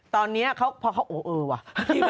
ตอนนี้เขาโอ๊ยว่ะ